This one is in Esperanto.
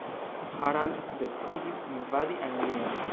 Harald decidis invadi Anglion.